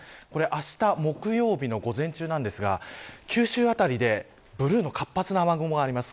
あした木曜日の午前中なんですが九州辺りでブルーの活発な雨雲があります。